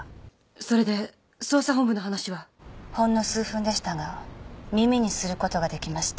それで捜査本部の話は？ほんの数分でしたが耳にすることができました。